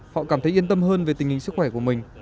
họ cảm thấy yên tâm hơn về tình hình sức khỏe của mình